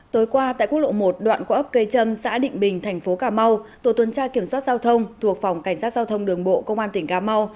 tối qua tại quốc lộ một đoạn qua ấp cây trâm xã định bình thành phố cà mau tổ tuần tra kiểm soát giao thông thuộc phòng cảnh sát giao thông đường bộ công an tỉnh cà mau